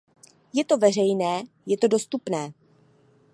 Je to veřejné, je to dostupné.